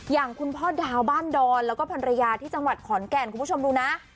อย่างคุณพ่อดาวบ้านดอนแล้วก็ภรรยาที่จังหวัดขอนแก่นคุณผู้ชมดูนะ